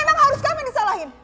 emang harus kamu yang disalahin